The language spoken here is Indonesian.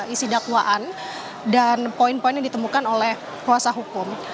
isi dakwaan dan poin poin yang ditemukan oleh kuasa hukum